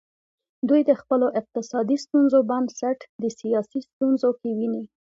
دوی د خپلو اقتصادي ستونزو بنسټ د سیاسي ستونزو کې ویني.